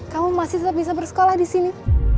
kamu masih tetap bisa bersekolah disini